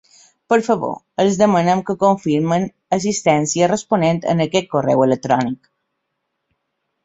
Per favor, els demanem que confirmen assistència responent a aquest correu electrònic.